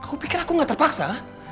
aku pikir aku gak terpaksa